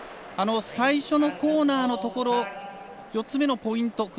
最初のコーナーのところ４つ目のポイント